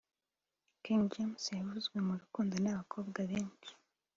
King James yavuzwe mu rukundo n’abakobwa benshi